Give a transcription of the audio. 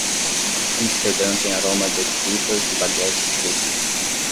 Amsterdã tem aroma de tulipas e baguetes frescas